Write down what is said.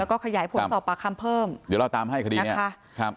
แล้วก็ขยายผลสอบปากคำเพิ่มเดี๋ยวเราตามให้คดีเนี้ยค่ะครับ